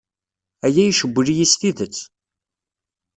Aya icewwel-iyi s tidet.